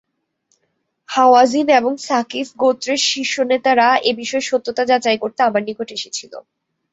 হাওয়াযিন এবং ছাকীফ গোত্রের শীর্ষ নেতারা এ বিষয়ের সত্যতা যাচাই করতে আমার নিকট এসেছিল।